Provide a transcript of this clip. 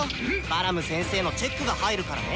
バラム先生のチェックが入るからね！」。